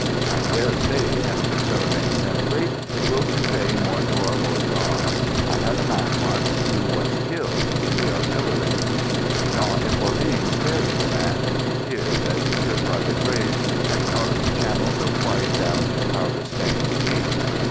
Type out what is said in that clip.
"I dare say," answered Philomène simply, "it will convey more to our Lord God. I had a man once—who was killed—in the Artillery." Jean and Pauline stared at the man. Tears, as he stood by the grave, had carved channels of white down his powder stained cheeks.